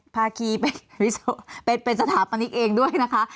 ภาคีเป็นสถาปนิกเองด้วยนะคะ